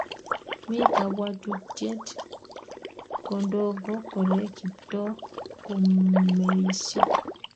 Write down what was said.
Mi kabwatutiet kodogo kole Kiptooo komeiso